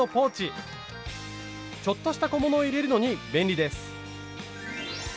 ちょっとした小物を入れるのに便利です。